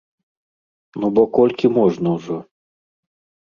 Ну бо колькі можна ўжо.